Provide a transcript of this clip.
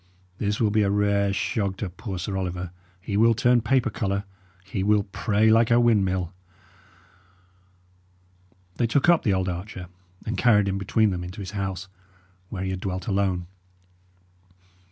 This will be a rare shog to poor Sir Oliver; he will turn paper colour; he will pray like a windmill." They took up the old archer, and carried him between them into his house, where he had dwelt alone.